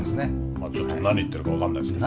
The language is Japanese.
まあちょっと何言ってるか分かんないですけど。